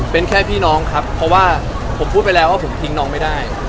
เป็นแค่พี่น้องครับเพราะว่าผมพูดไปแล้วว่าผมทิ้งน้องไม่ได้